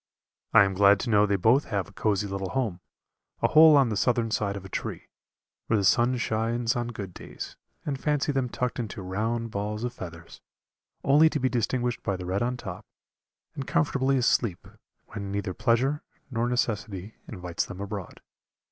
I am glad to know they both have a cozy little home, a hole on the southern side of a tree, where the sun shines on good days, and fancy them tucked into round balls of feathers, only to be distinguished by the red on top, and comfortably asleep, when neither pleasure nor necessity invites them abroad.